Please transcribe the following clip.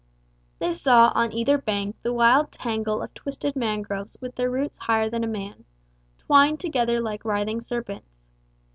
They saw on either bank the wild tangle of twisted mangroves with their roots higher than a man, twined together like writhing serpents.